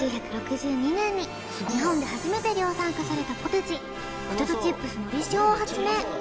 １９６２年に日本で初めて量産化されたポテチポテトチップスのり塩を発明